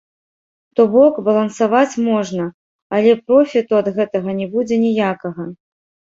То бок, балансаваць можна, але профіту ад гэтага не будзе ніякага.